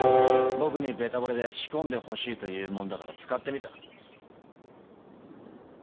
僕にべたぼれで仕込んでほしいと言うもんだから使ってみた。